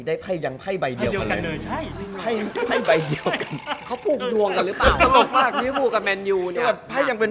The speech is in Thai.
ได้ไพ่ยังไพ่ใบเดียวกันเลย